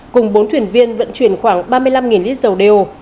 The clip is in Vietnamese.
cùng bốn thuyền viên vận chuyển khoảng ba mươi năm lít dầu đeo